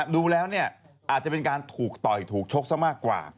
ดูแล้วเนี่ยอาจจะเป็นการถูกต่อยถูกชกซะมากกว่า